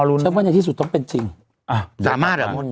อุ่นวีรวม